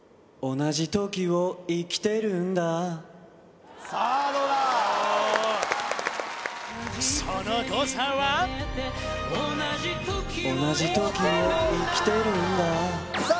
同じ時を生きてるんださあどうだその誤差は同じ時を生きてるんださあ